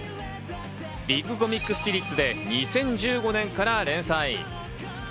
『ビッグコミックスピリッツ』で２０１５年から連載。